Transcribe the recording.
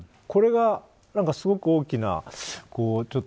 これがすごく大きな。